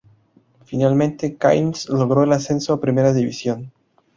Finalmente, Quilmes logró el ascenso a Primera División.